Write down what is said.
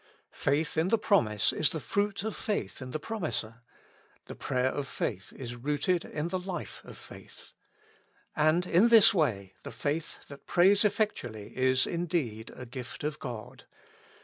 Faith in the promise is the fruit of faith in the promiser ; the prayer of faith is rooted in the life of faith. And in this way the faith that prays effect ually is indeed a gift of God.